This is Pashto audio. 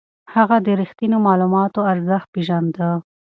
هغه د رښتينو معلوماتو ارزښت پېژانده.